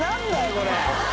これ。